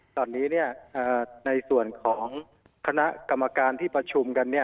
ตอนนี้เนี่ยในส่วนของคณะกรรมการที่ประชุมกันเนี่ย